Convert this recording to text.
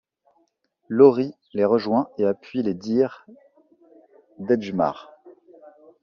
Lori les rejoint et appuie les dires d'Edgemar.